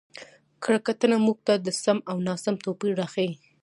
کره کتنه موږ ته د سم او ناسم توپير راښيي.